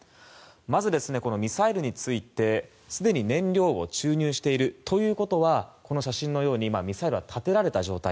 まずミサイルについてすでに燃料を注入しているということはこの写真のようにミサイルは立てられた状態